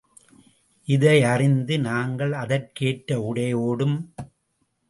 இதை அறிந்து, நாங்கள் அதற்கேற்ற உடையோடும்.